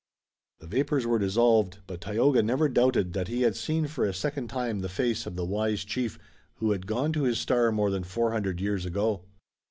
The vapors were dissolved, but Tayoga never doubted that he had seen for a second time the face of the wise chief who had gone to his star more than four hundred years ago.